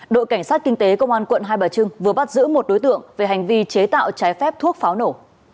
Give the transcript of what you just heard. đội cảnh sát kinh tế công an quận hai bà trưng vừa bắt giữ một đối tượng về hành vi chế tạo trái phép thuốc pháo nổ